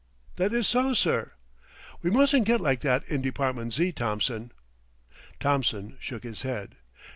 "That is so, sir." "We mustn't get like that in Department Z., Thompson." Thompson shook his head.